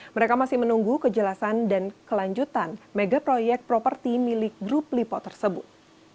mereka masih menunggu kejelasan dan kelanjutan mega proyek properti milik grup lipo tersebut